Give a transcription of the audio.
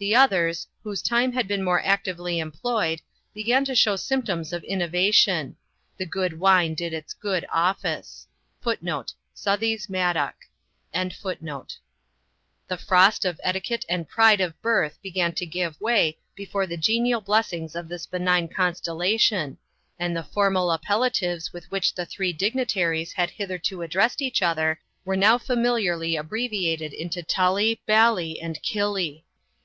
The others, whose time had been more actively employed, began to show symptoms of innovation 'the good wine did its good office.' [Footnote: Southey's Madoc.] The frost of etiquette and pride of birth began to give way before the genial blessings of this benign constellation, and the formal appellatives with which the three dignitaries had hitherto addressed each other were now familiarly abbreviated into Tully, Bally, and Killie.